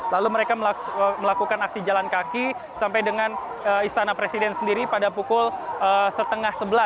lalu mereka melakukan aksi jalan kaki sampai dengan istana presiden sendiri pada pukul setengah sebelas